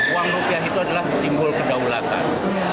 uang rupiah itu adalah simbol kedaulatan